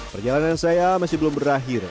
perjalanan saya masih belum berakhir